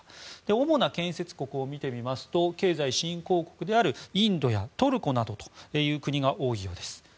主な建設国を見てみますと経済新興国であるインドやトルコなどという国が多いようです。